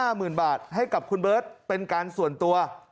หมื่นบาทให้กับคุณเบิร์ตเป็นการส่วนตัว